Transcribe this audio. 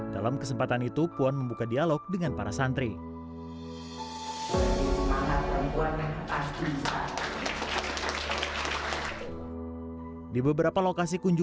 dalam kesempatan itu puan membuka dialog dengan para santri